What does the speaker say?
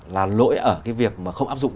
là lỗi ở cái việc mà không áp dụng